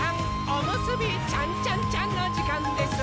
おむすびちゃんちゃんちゃんのじかんです！